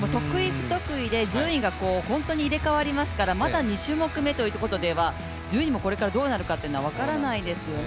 不得意で順位が本当に入れ替わりますからまだ２種目めということですから順位もこれからどうなるかというのは分からないですよね。